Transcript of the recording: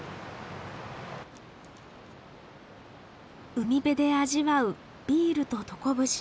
海辺で味わうビールととこぶし。